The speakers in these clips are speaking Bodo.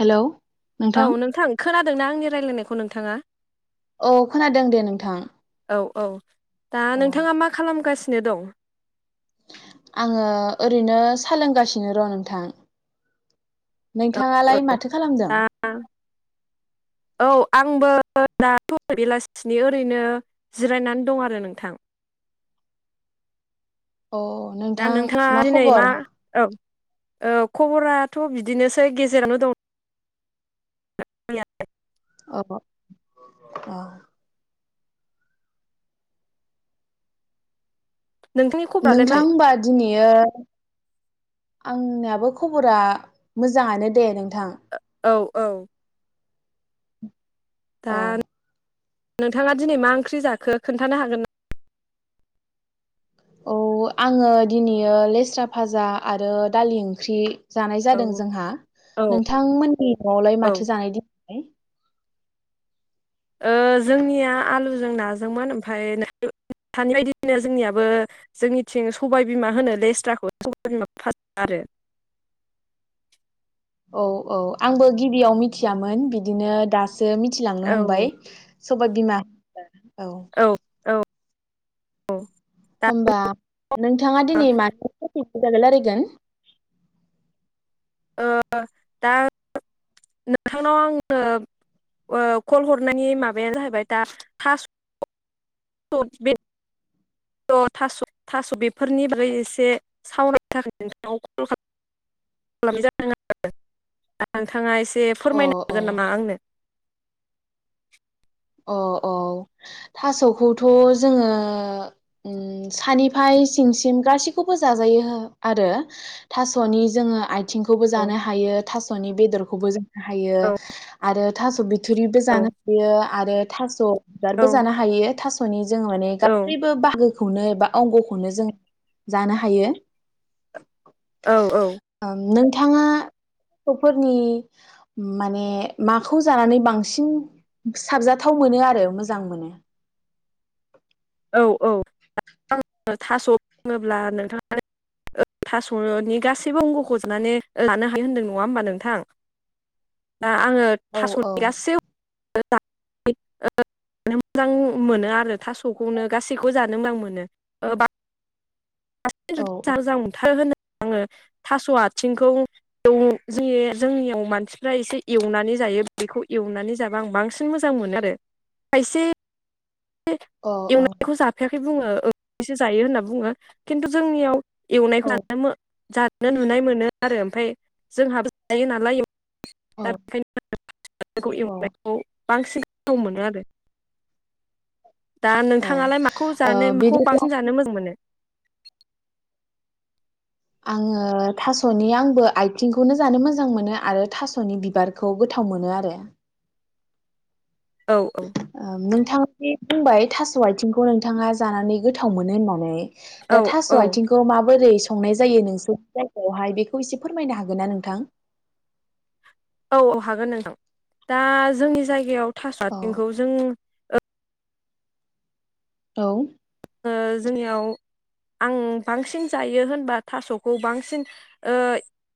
हेलौ औ नोंथां खोनाद दोंना आंनि रायज्लायनायखौ नोंथाङा? औ खोनादों दे नोंथां औ औ दा नोंथाङा मा खालामगासिनो दं? आङो ओरैनो सालोंगासिनो र' नोंथां। औ नोंथाङालाय माथो खालामदों? दा [unintelligible] दा बेलासिनि ओरैनो जिरायनानै दं आरो नोंथां। अ दा नोंथां नोंथाङा मा दिनै खबर? औ औ खबराथ' बिदिनोसै गेजेरावनो दं। [unintelligible] अ अ नोंथांनि खबरालाय नोंथां मारै होनबा दिनैयो आंनियाबो खबरा मोजाङानो दे नोंथां। औ औ दा औ नोंथाङा दिनै मा ओंख्रि जाखो खोन्थानो हागोन ना? औ आङो दिनैओ लेस्रा भाजा आरो दालि ओंख्रि जानाय ना जादों औ जोंहा औ नोंथांमोननि न'आवलाय औ माथो जानाय दि [unintelligible] ओ जोंनिया आलुजों नाजोंमोन ओमफ्राय नोंथांनि बायदिनो जोंनियाबो जोंनिथिं सबायबिमा होनो लेस्राखौ सबाय बिमा फाजा आरो। औ औ आंबो गिबियाव मिथियामोन बिदिनो दास सो मिथिलांनो औ हमबाय सबाय बिमा औ औ औ होमबा नोंथाङा दिनै मानो [unintelligible] [unintelligible] रायलायगोन ओ दा नोंथांनाव आङो ओ कल हरनायनि माबायानो जाहैबाय दा थास स' बे स' थास' थास' बेफोरनि बारै एसे सावरायनो थाखाय नोंथाङाव कल खालामनाय जादों आरो दा नोंथाङा एसे एसे अ फोरमायनो अ हागोन नामा आंनो अ औ थास'खौथ' जोङो उ सानिफ्राय सिंसिम गासैखौबो जाजायो आरो थास'नि जोङो आइ थिंखौबो औ जानो हायो थास'नि बेदरखौबो जों हायो औ आरो थास' बिथुरिबो जानो हायो। आरो थास' औ बिबारबो जानो हायो थास'नि जों माने गासैबो बाहागो नो बा अंगखौनो जों जानो हायो औ औ थाङा [unintelligible] फोरनि माने माखौ जानानै बांसिन साबजाथाव मोनो आरो मोजां मोनो औ औ आं थास' बुङोब्ला नोंथाङा थास'नि गासैबो अंग'खौनो जानो हायो होनदों नङा होमबा नोंथां दा आङो औ थास'नि औ गासै [unintelligible] मोजां मोनो आरो थास' खौनो गासैखौबो जानो मोजां मोनो ओ बा औ [unintelligible] औ आङो थास' आथिंखौ [unintelligible] जे जोंनियाव मानसिफ्रा एसे एवनानै जायो बेखौ एवनानै जाबा आं बांसिन मोजां मोनो आरो खायसे से औ औ एवनायखौ जाफेर से बुङो ओंख्रिसो जायो होनना बुङो खिन्थु जोंनियाव औ एवनायखौ जानो मो जा नुनाय मोनो आरो ओमफ्राय जोंहाबो जायो नालाय औ दा बेखायनो औ एवनायखौ बांसिन गोथाव मोनो आरो दा औ नोंथाङालाय माखौ ओ जानो माखौ बिदिब्ला बांसिन जानो मोजां मोनो? आङो थास'नि आंबो आथिंखौनो जानो मोजां मोनो आरो थास'नि बिबारखौ गोथाव मोनो आरो औ औ नोंथाङा बे बुंबाय थास' आथिंखौ नोंथाङा जानानै गोथाव मोनो होननानै औ दा थास' औ आथिंखौ माबोरै संनाय जायो नोंसोर जायगायावहाय बेखौ एसे फोरमायनो हागोन ना नोंथां? औ औ हागोन नोंथां दा जोंनि जायगायाव औ थासारथिंखौ जों औ। जोंनियाव आं बांसिन जायो होनबा थास'खौ बांसिन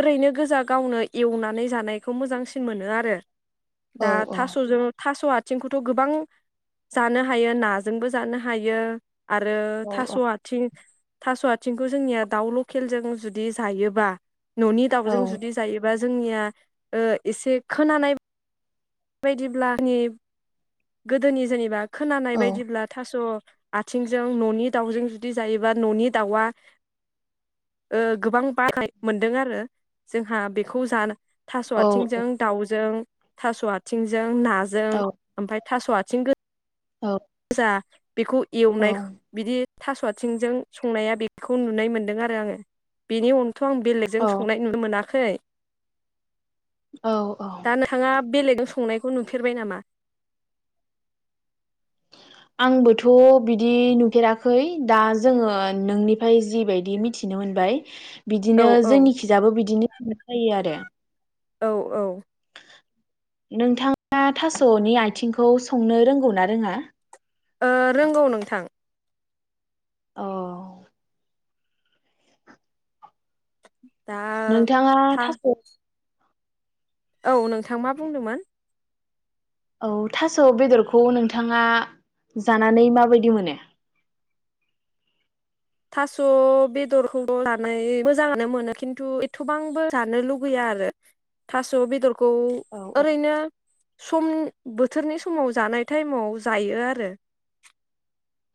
ओरैनो गोजा गावनो एवनानै जानायखौ मोजांसिन मोनो आरो औ दा औ थास'जों थास' आथिंखौथ' गोबां जानो हायो नाजोंबो जानो हायो आरो औ थास' औ आथिं थास' आथिंखौ जोंनिया दाउ लकेलजों जुदि जायोबा न'नि औ दाउजों जुदि जायोबा जोंनिया एसे खोनानाय बेबायायदिब्ला आंनि गोदोनि जेनेबा खोनानाय औ बायदिब्ला थास' आथिंजों न'नि दाउजों जुदि जायोबा न'नि दाउआ ओ गोबां बानाय मोनदों आरो जोंहा बेखौ जान थास' औ आथिंजों दाउजों थास' आथिंजों नाजों औ ओमफाय थास' आथिं गो औ जा बेखौ एवनाय बिदि थास' आथिंजों संनाया बेखौ नुनाय मोन्दों आरो आङो बेनि अन थ' आं बेलेगजों औ संनाय नुनो मोनाखै खै औ औ दा नोंथाङा बेलेगजों संनाय खौ नुफेरबाय नामा? आंबोथ' बिदि नुफेराखै दा जोङो नोंनिफ्राय जिबायदि मिथिनो मोनबाय औ बिदिनो औ जोंनिखिजाबो बिदिनो होननाय जायो आरो औ औ नोंथाङा थास'नि आथिंखौ संनो रोंगौ ना रोङा ओ रोंगौ नोंथां औ [inaudible] नोंथाङा था थास' औ नोंथां मा बुंदोंमोन औ थास' बेदरखौ नोंथाङा जानानै माबायदि मोनो थास' बेदरखौ' जानाय मोजाङानो मोनो खिन्थु एथ'बांबो जानो लुगैया आरो थास' बेदरखौ औ औ ओरैनो सम बोथोरनि समाव जानाय टाइमाव जायो आरो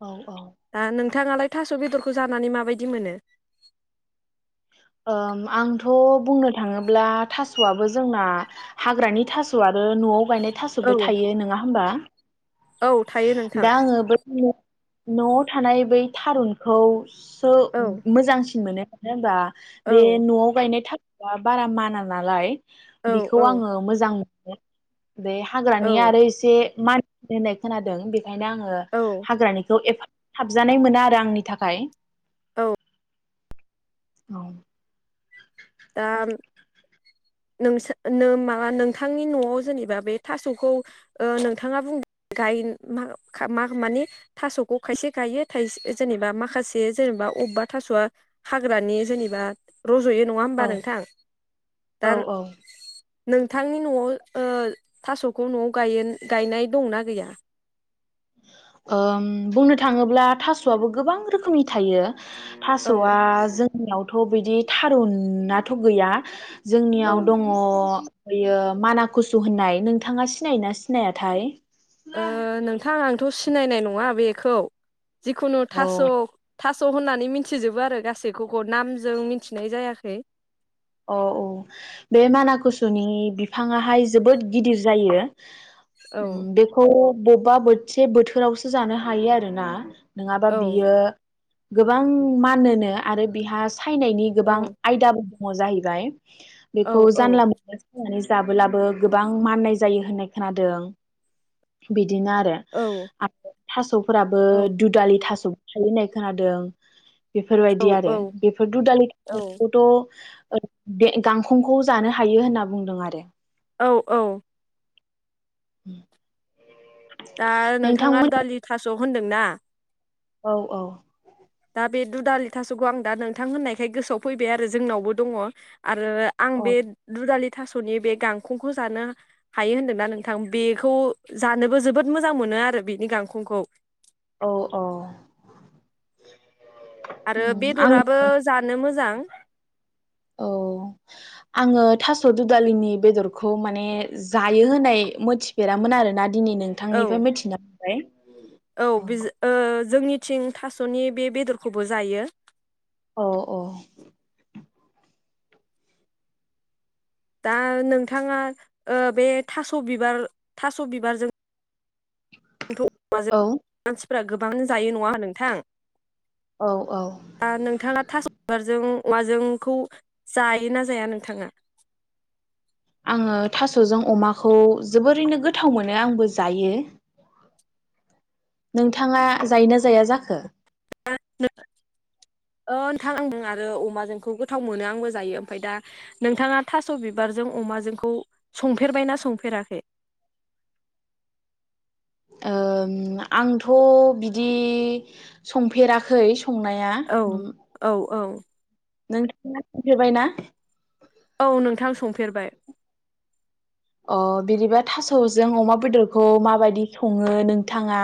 औ औ थाङालाय थास' बेदरख जानानै माबायदि मोनो? ओम आंथ' बुंनो थाङोब्ला थास'आबो जोंना हाग्रानि थास' आरो न'आव गायनाय थास'बो औ थायो नङा होमबा औ थायो नोंथां दा आङो बै नो न'आव थानाय बै थारुनखौ सो औ मोजांसिन मोनो नो बा औ बे न'आव गायनाय थास द बारा मान नालाय औ बेखौ औ आङो मोजां मोनो औ बे औ हाग्रानि आरो एसे म दोननाय खोनादों बे बेंखायनो आङो औ हाग्रानिखौ एफा हाबजानाय मोना आरो आंनि थाखाय औ औ दा नोंस माबा नोंथांनि न'आव जेनेबा बे थास'खौ नोंथाङा बुंबाथाय म मानि थास'खौ खायसे गायो थायसे जेनेबा माखासे जेनेबा अबेबा थास'आ हाग्रानि जेनेबा रज'यो नङा होमबा औ नोंथां दा औ औ नोंथांनि न'आव ओ थास'खौ न'आव गायनाय दंना गैया? ओम बुंनो थाङोब्ला थास'आबो गोबां रोखोमनि थायो औ थास'आ जों [unintelligible] नावथ' बिदि थारुनाथ' गैया औ जोंनियाव दङ बेयो माना कुसु होननाय नोंथाङा सिनायोना सिनायाथाय ओ नोंथां आंथ' सिनायनाय नङा बेखौ जिखुनु औ थास' थास' होननानै मिथिजोबो आरो गासैखौ नामजों मिथिनाय जायाखै अ औ बे मानाकुसुनि बिफाङाहाय जोबोद गिदिर जायो औ उम बेखौ बबेबा बोसे बोथोरावसो जानो हायो आरो ना नोङाबा औ बियो गोबां मानोनो आरो बिहा सायनायनि गोबां औ आयदाबो मजाहैबाय औ बेखौ औ जानला मोनला संनानै जाबोलाबो गोबां माननाय जायो होननाय खोनादों बिदि बिदिनो औ आरो थास' फोराबो औ दुदालि थास' [unintelligible] हादों बेफोरबायदि आरो बेफोर दुदालि औ [unintelligible] खौथ' ओ बे गांखंखौ जानो हायो होनना बुंदों आरो औ औ [inaudible] दा नोंथाङा नोंथांमोन दुदालि थास' खौ होनदों ना औ औ दा बे दुदालि थासखौ आं दा नोंथां होननायखाय गोसोआव फैबाय आरो जोंनावबो दङ। आरो आं औ बे दुदालि थास'नि बे गांखंखौ जानो हायो होन्दोंना नोंथां बेखौ जानोबो जोबोद मोजां मोनो आरो बेनि गांखंखौ। औ औ आरो आं बेदराबो जानो मोजां [unintelligible] औ आङो थास' दुदालिनि बेदरखौ माने जायो होनाय मोनथिफेरामोन आरोना दिनै औ नोंथांनिफ्राय मिथिना [inaudible] बाय औ बिज ओ जोंनिथिं थास'नि बे बेदरखौबो जायो। अ अ दा नोंथाङा ओ बे थास' बिबार थास' बिबारजों [inaudible] औ फोरा गोबां जायो नङा नोंथां औ औ आ नोंथाङा थास' बिबारजों अमाजों खौ जायो ना जाया नोंथाङा। आङो थास'जों अमाखौ जोबोरैनो गोथाव मोनो आंबो जायो नोंथाङा जायोना जाया जाखो? [inaudible] ओ नोंथां आं आरो अमाजोंखौ गोथाव मोनो आंबो जायो ओमफ्राय दा नोंथाङा थास' बिबारजों अमाजोंखौ संफेरबायना संफेराखै? ओम आंथ' बिदि संफेराखै संनाया औ औ औ। नोंथाङा संफेरबायना। औ नोंथां संफेरबाय। अ बिदिबा थास'जों अमा बेदरखौ माबायदि सङो नोंथाङा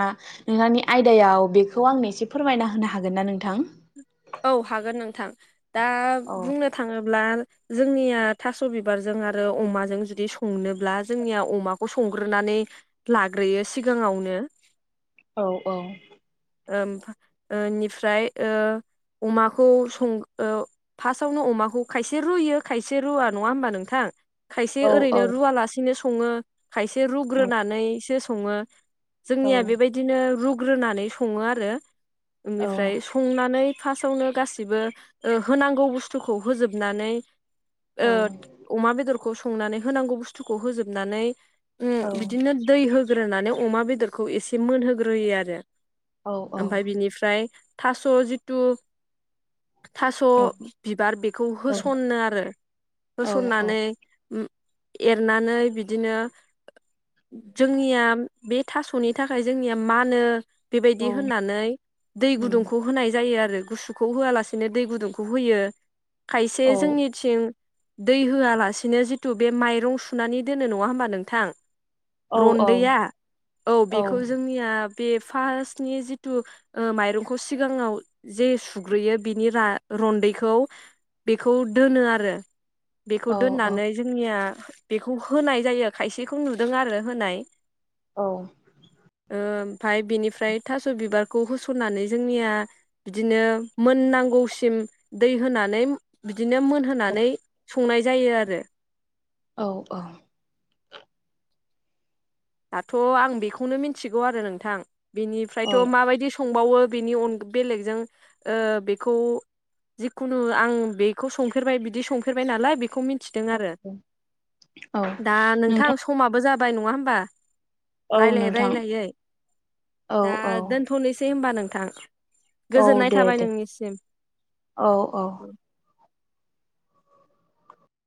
नोंथांनि आयदायाव बेखौ आंनो एसे फोरमायना होनो हागोन ना नोंथां। औ हागोन नोंथां। दा औ बुंनो थाङोब्ला जोंनिया थास' बिबारजों आरो अमाजों जुदि संनोब्ला जोंनिया अमाखौ संग्रोनानै लाग्रोयो सिगाङावनो। औ औ। ओमफा बेनिफ्राय ओ अमाखौ सं फार्स्टआवनो अमाखौ खायसे रुयो खायसे रुवा नङा होमबा नोंथां खायसे औ औ ओरैनो रुवालासिनो सङो। खायसे रुग्रोनानैसो सङो। औ जोंनिया बेबायदिनो रुग ग्रोनानै सङो आरो औ बेनिफ्राय संनानै। फार्स्टावनो गासिबो ओ होनांगौ बुस्थुखौ होजोबनानै। ओ अमा बेदर खौ संनानै होनांगौ बुस्थुखौ होजोबनानै ओम औ बिदिनो दै होग होग्रोनानै अमा बेदरखौ एसे मोनहोग्रोयो आरो। औ औ ओमफाय बिनिफ्राय थास' जिथु थास' बिबार बेखौ होसनो आरो औ औ होसन्नानै ओम एरनानै बिदिनो जोंनिया बे थास'नि थाखाय जोंनिया मानो बेबायदि औ होननानै दै उम गुदुंखौ होनाय जायो। गुसुखौ होआलासेनो दै गुदुंखौ होयो। खायसे औ जोंनिथिं दै होआलासेनो जिथु बे माइरं सुनानै दोनो नङा होमबा नोंथां। औ औ रन्दैया औ बेखौ जोंनिया बे फार्स्टनि बेखौ औ औ दोननानै जोंनिया बेखौ होनाय जायो खायसेखौ नुदों आरो होनाय औ ओम ओमफाय बिनिफ्राय थास' बिबारखौ होसननानै जोंनिया बिदिनो मोननांगौसिम दै होनानै बिदिनो मोनहोनानै संनाय जायो आरो औ औ दाथ' आं बेखौनो मिथिगौ आरो नोंथां औ बिनिफ्रायथ' माबायदि संबावो बेनि बेलेग ओ बेखौ जिखुनु आं बेखौ संफेरबाय बिदि संफेरबाय नालाय बेखौ मि मिथिदों आरो औ दा नोंथां समाबो जाबा बाय नङा होमबा? औ रायलायै नोंथां रायलायै औ दा औ दोनथ'नोसै होनबा नों नोंथां औ गोजोननाय दे थाबाय दे नोंनिसिम औ औ